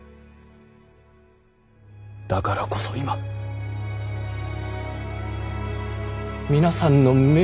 だからこそ今皆さんの目を見て申し上げる。